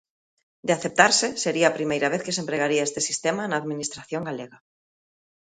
De aceptarse, sería a primeira vez que se empregaría este sistema na Administración galega.